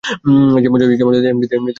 যেমন চলছে, এমনিতেই সে বিশ্রাম পায় না।